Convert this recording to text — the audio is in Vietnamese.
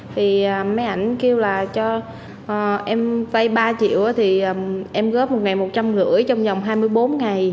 thì máy ảnh kêu là cho em vay ba triệu thì em góp một ngày một trăm năm mươi trong dòng hai mươi bốn ngày